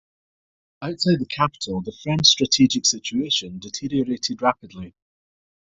Outside the capital, the French strategic situation deteriorated rapidly.